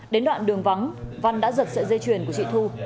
đến đoạn đường vắng văn đã giật sợi dây chuyền của chị thu